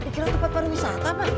kira tempat para wisata